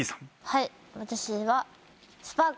はい。